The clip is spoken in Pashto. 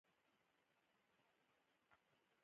دا دوه لیکونه ډهلي ته رسېدلي دي.